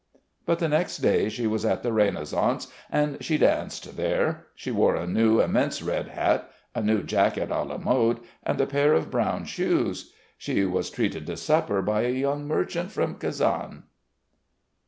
But the next day she was at the Renaissance and she danced there. She wore a new, immense red hat, a new jacket à la mode and a pair of brown shoes. She was treated to supper by a young merchant from Kazan.